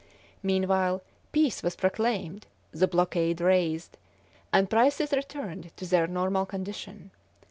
Meanwhile peace was proclaimed, the blockade raised, and prices returned to their normal condition.